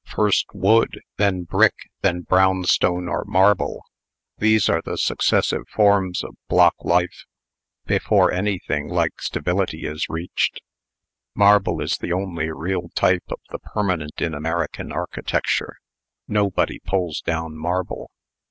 First wood, then brick, then brownstone or marble these are the successive forms of block life, before anything like stability is reached. Marble is the only real type of the permanent in American architecture. Nobody pulls down marble.